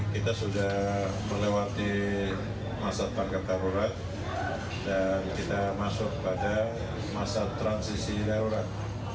kita sudah melewati masa tanggap darurat dan kita masuk pada masa transisi darurat